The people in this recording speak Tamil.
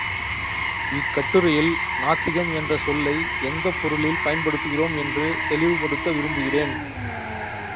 இக்கட்டுரையில் நாத்திகம் என்ற சொல்லை எந்தப் பொருளில் பயன்படுத்துகிறோம் என்று தெளிவுபடுத்த விரும்புகிறேன்.